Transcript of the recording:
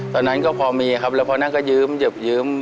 ตอนนั้นก็พอมีครับแล้วพอนั่นก็ยืมเหยิบยืม